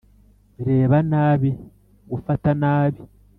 reba nabi, gufata nabi.